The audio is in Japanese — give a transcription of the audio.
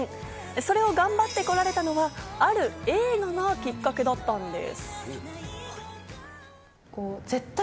それを頑張ってこられたのは、ある映画がきっかけだったんです。